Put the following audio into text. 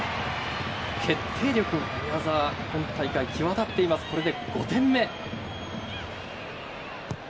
決定力が宮澤、今大会際立っています、これで５点目。